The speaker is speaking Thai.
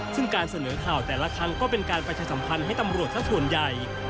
ซึ่งการเสนอข่าวแต่ละครั้งก็เป็นการประชาสัมพันธ์ให้ตำรวจสักส่วนใหญ่